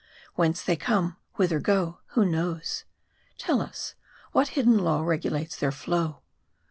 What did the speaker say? Whence they come, whither go, who knows ? Tell us, what hidden law regulates their flow.